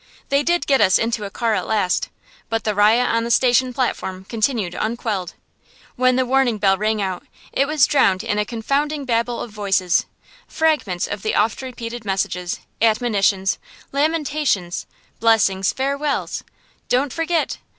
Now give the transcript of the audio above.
They did get us into a car at last, but the riot on the station platform continued unquelled. When the warning bell rang out, it was drowned in a confounding babel of voices, fragments of the oft repeated messages, admonitions, lamentations, blessings, farewells. "Don't forget!"